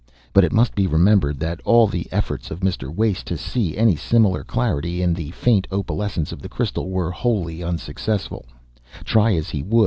But it must be remembered that all the efforts of Mr. Wace to see any similar clarity in the faint opalescence of the crystal were wholly unsuccessful, try as he would.